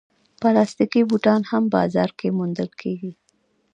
پلاستيکي بوټان هم بازار کې موندل کېږي.